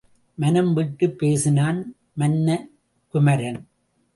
மனம் விட்டுப் பேசினான் மன்ன குமரன்.